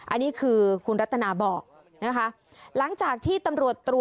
อันนี้คือคุณรัตนาบอกนะคะ